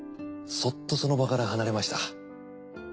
そっとその場から離れました。